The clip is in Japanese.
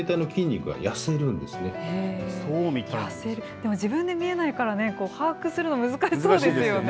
でも自分で見えないからね、把握するの難しそうですよね。